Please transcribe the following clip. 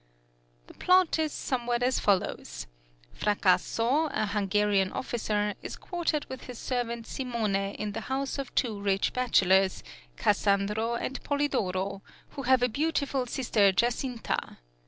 " The plot is somewhat as follows: {THE FIRST OPERA IN VIENNA.} (76) Fracasso, a Hungarian officer, is quartered with his servant Simone in the house of two rich bachelors, Cassandro and Polidoro, who have a beautiful sister Giacinta.